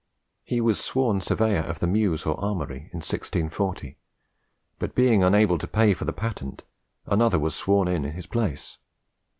He was sworn surveyor of the Mews or Armoury in 1640, but being unable to pay for the patent, another was sworn in in his place.